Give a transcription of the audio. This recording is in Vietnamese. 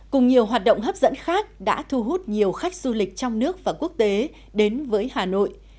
cùng nhiều hoạt động hấp dẫn khác đã thu hút nhiều khách du lịch trong nước và quốc tế đến với hà nội